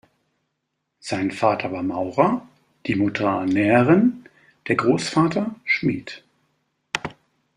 Sein Vater war Maurer, die Mutter Näherin, der Großvater Schmied.